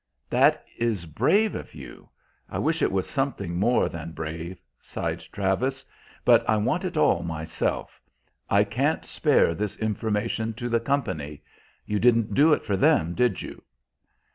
"That is brave of you. I wish it was something more than brave," sighed Travis. "But I want it all myself. I can't spare this information to the company. You didn't do it for them, did you?"